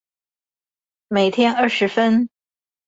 每天二十分